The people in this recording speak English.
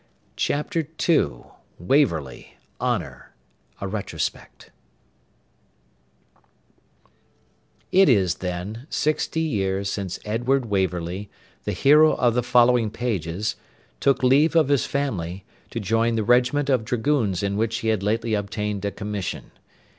CHAPTER II WAVERLEY HONOUR A RETROSPECT It is, then, sixty years since Edward Waverley, the hero of the following pages, took leave of his family, to join the regiment of dragoons in which he had lately obtained a commission.